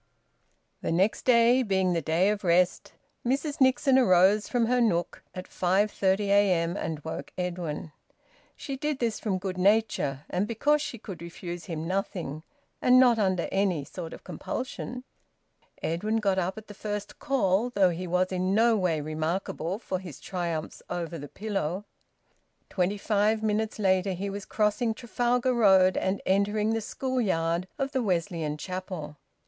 The next day being the day of rest, Mrs Nixon arose from her nook at 5:30 a.m. and woke Edwin. She did this from good nature, and because she could refuse him nothing, and not under any sort of compulsion. Edwin got up at the first call, though he was in no way remarkable for his triumphs over the pillow. Twenty five minutes later he was crossing Trafalgar Road and entering the school yard of the Wesleyan Chapel.